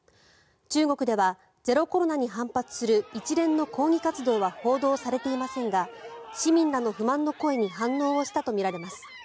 中国ではゼロコロナに反発する一連の抗議活動は報道されていませんが市民らの不満の声に反応をしたとみられます。